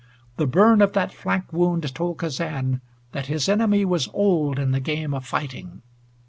The burn of that flank wound told Kazan that his enemy was old in the game of fighting.